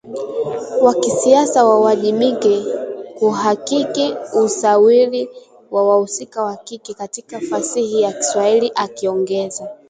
wa kisasa wawajibike kuhakiki usawiri wa wahusika wa kike katika fasihi ya Kiswahili akiongeza